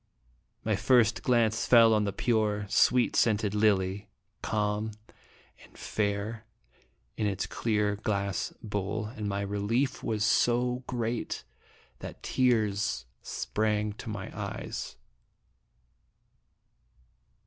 My first glance fell on the pure, sweet scented lily, calm and fair, in its clear, glass bowl, and the relief was so great that tears sprang to my eyes.